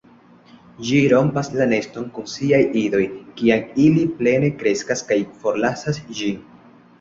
Ĝi rompas la neston kun siaj idoj, kiam ili plene kreskas, kaj forlasas ĝin.